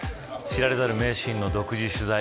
知られざる名シーンの独自取材